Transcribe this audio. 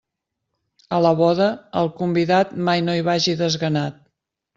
A la boda, el convidat mai no hi vagi desganat.